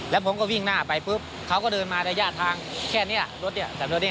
แล้วผมก็วิ่งหน้าไปปุ๊บเขาก็เดินมาระยะทางแค่นี้รถเนี่ย